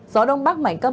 gió đông bắc mạnh cấp ba